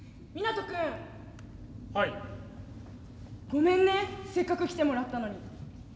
ごめんねせっかく来てもらったのに。